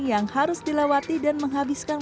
yang harus dilewati dan menghabiskan